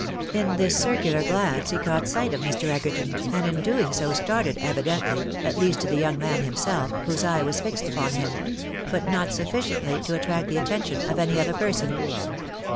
In this circular glance he caught sight of Mr. Egerton, and in doing so started, evidently, THE DISGUISE PEXETIIATED. 337 at least to the young man himself, whose eye was fixed upon him ; but not sufficiently to attract the attention of any other person.